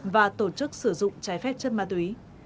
và tổ chức sử dụng trái phép chất ma túy